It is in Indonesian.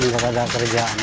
enggak ada kerjaan